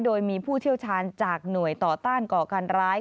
โดยมีผู้เชี่ยวชาญจากหน่วยต่อต้านก่อการร้าย